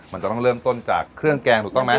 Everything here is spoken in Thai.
มันจะต้องเริ่มต้นจากเครื่องแกงถูกต้องไหม